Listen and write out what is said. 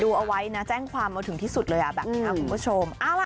เอาไว้นะแจ้งความเอาถึงที่สุดเลยแบบนี้คุณผู้ชม